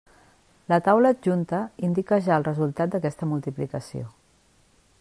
La taula adjunta indica ja el resultat d'aquesta multiplicació.